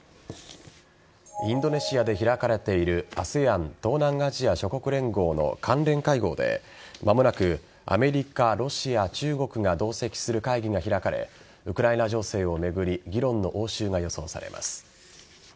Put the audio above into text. インドネシアで開かれているＡＳＥＡＮ＝東南アジア諸国連合の関連会合で間もなくアメリカ、ロシア、中国が同席する会議が開かれウクライナ情勢を巡り議論の応酬が予想されます。